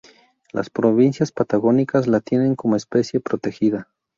Las provincias patagónicas la tienen como especie protegida.